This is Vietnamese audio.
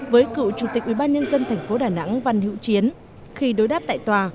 với cựu chủ tịch ubnd tp đà nẵng văn hữu chiến khi đối đáp tại tòa